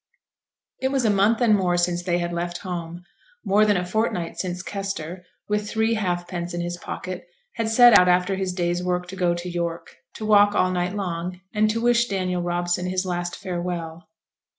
It was a month and more since they had left home; more than a fortnight since Kester, with three halfpence in his pocket, had set out after his day's work to go to York to walk all night long, and to wish Daniel Robson his last farewell.